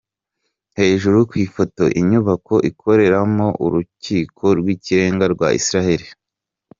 Hejuru ku ifoto: Inyubako ikoreramo Urukiko rw’ikirenga rwa Israel .